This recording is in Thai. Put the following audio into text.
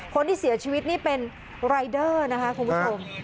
คนที่เสียชีวิตนี่เป็นรายเดอร์นะคะคุณผู้ชม